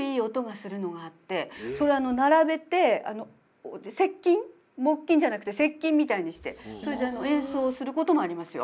並べて石琴木琴じゃなくて石琴みたいにしてそれで演奏をすることもありますよ。